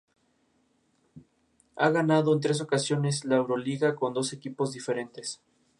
Ha ganado en tres ocasiones la Euroliga, con dos equipos diferentes.